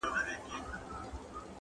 لوی مُلا یې وو حضور ته ور بللی٫